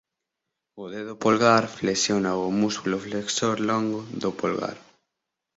O dedo polgar flexiónao o músculo flexor longo do polgar.